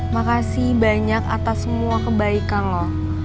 makasih banyak atas semua kebaikan lo